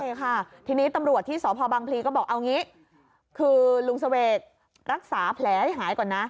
ใช่ค่ะทีนี้ตำรวจที่สพบังพลีก็บอกเอางี้คือลุงเสวกรักษาแผลให้หายก่อนนะ